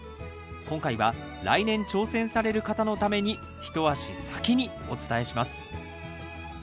今回は来年挑戦される方のために一足先にお伝えします。